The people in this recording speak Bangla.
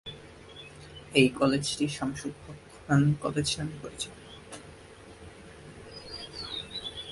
এই কলেজটি "সামসুল হক খান কলেজ" নামে পরিচিত।